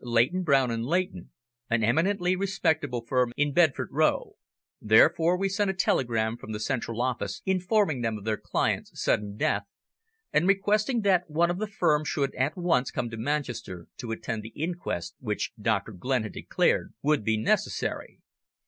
Leighton, Brown and Leighton, an eminently respectable firm in Bedford Row; therefore we sent a telegram from the Central Office informing them of their client's sudden death, and requesting that one of the firm should at once come to Manchester to attend the inquest which Doctor Glenn had declared would be necessary.